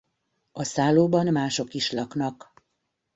A szállóban mások is laknak.